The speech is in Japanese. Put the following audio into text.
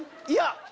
いや！